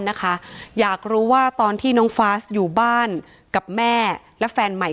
นะคะอยากรู้ว่าตอนที่น้องฟาสอยู่บ้านกับแม่และแฟนใหม่